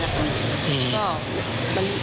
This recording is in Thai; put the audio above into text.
ก็คุยกันเรื่องรถที่ว่าไปดาวน์ไฟมาในหลักมี